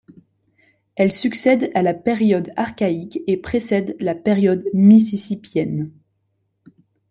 Elle succède à la période archaïque et précède la période mississippienne.